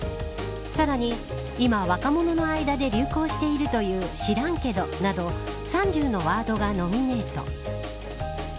さらに今若者内で流行しているという知らんけど、など３０のワードがノミネート。